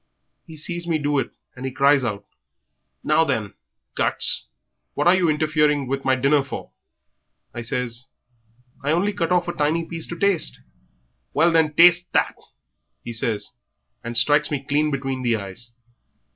He sees me do it, and he cries out, 'Now then, guts, what are you interfering with my dinner for?' I says, 'I only cut off a tiny piece to taste.' 'Well, then, taste that,' he says, and strikes me clean between the eyes.